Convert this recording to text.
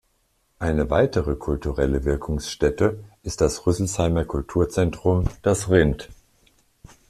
Eine weitere kulturelle Wirkungsstätte ist das Rüsselsheimer Kulturzentrum "Das Rind".